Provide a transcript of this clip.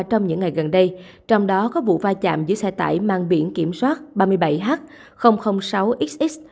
trong những ngày gần đây trong đó có vụ vai chạm dưới xe tải mang biển kiểm soát ba mươi bảy h sáu xx